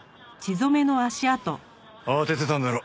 慌ててたんだろ。